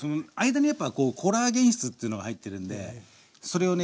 間にやっぱコラーゲン質っつうのが入ってるんでそれをね